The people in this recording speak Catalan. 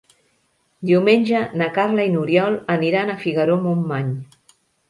Diumenge na Carla i n'Oriol aniran a Figaró-Montmany.